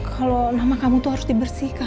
kalau nama kamu itu harus dibersihkan